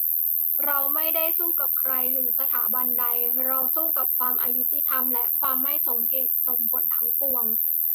"เราไม่ได้สู้กับใคร หรือสถาบันใด เราสู้กับความอยุติธรรมและความไม่สมเหตุสมผลทั้งปวง"